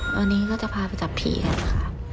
วันนี้ก็จะพาไปจับผีกันนะคะ